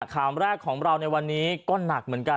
ข่าวแรกของเราในวันนี้ก็หนักเหมือนกัน